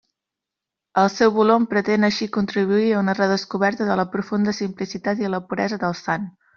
El seu volum pretén així contribuir a una redescoberta de la profunda simplicitat i la puresa del sant.